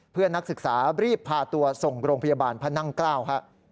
เพื่อนักศึกษาบรีบพาตัวส่งกรงพยาบาลพนัง๙ครับ